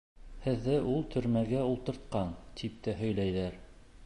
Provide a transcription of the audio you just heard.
— Һеҙҙе ул төрмәгә ултыртҡан, тип тә һөйләйҙәр.